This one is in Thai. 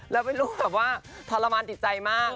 แล้วเป็นลูกแบบว่าทรมานติดใจมาก